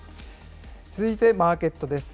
続いてマーケットです。